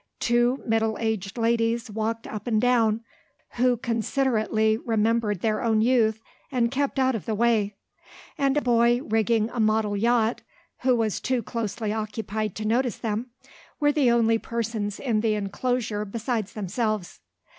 Two middle aged ladies, walking up and down (who considerately remembered their own youth, and kept out of the way), and a boy rigging a model yacht (who was too closely occupied to notice them), were the only persons in the enclosure besides themselves.